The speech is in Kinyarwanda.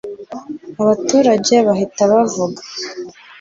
abaturage bahita bavuga